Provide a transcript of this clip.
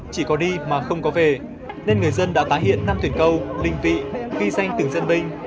chỉ có đi mà không có về nên người dân đã tái hiện năm tuyển câu linh vị ghi danh từng dân binh